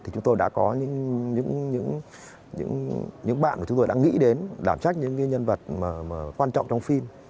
chúng tôi đã có những bạn mà chúng tôi đã nghĩ đến đảm trách những nhân vật quan trọng trong phim